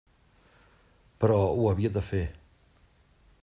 Però ho havia de fer.